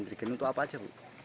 sembilan trigen untuk apa saja